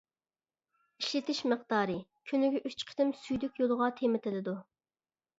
ئىشلىتىش مىقدارى: كۈنىگە ئۈچ قېتىم سۈيدۈك يولىغا تېمىتىلىدۇ.